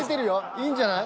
いいんじゃない？